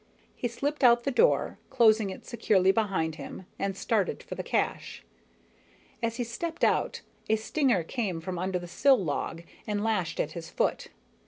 He slipped out the door, closing it securely behind him, and started for the cache. As he stepped out, a stinger came from under the sill log and lashed at his foot.